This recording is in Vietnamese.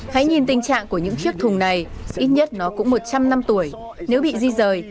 hãy nhìn tình trạng của những chiếc thùng này ít nhất nó cũng một trăm linh năm tuổi